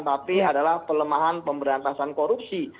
tapi adalah pelemahan pemberantasan korupsi